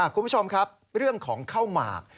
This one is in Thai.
คุณผู้ชมครับเรื่องของข้าวหมาก